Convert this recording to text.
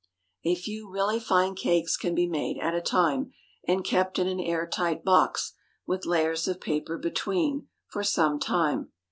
A few really fine cakes can be made at a time, and kept in an air tight box, with layers of paper between, for some time.